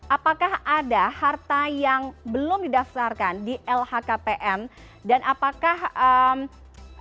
apakah ada harta yang belum didaftarkan di lhkpn dan apakah yang bersangkutan cukup pelanggan